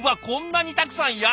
こんなにたくさん！